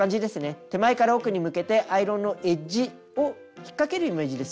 手前から奥に向けてアイロンのエッジを引っ掛けるイメージです